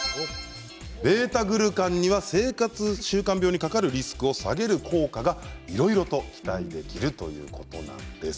β−グルカンには生活習慣病にかかるリスクを下げる効果がいろいろと期待できるということなんです。